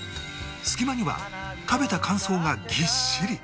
隙間には食べた感想がぎっしり！